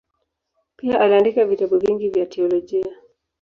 Pia aliandika vitabu vingi vya teolojia.